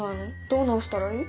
どう直したらいい？